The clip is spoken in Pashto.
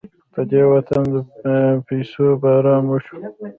په دې وطن د پيسو باران وشو.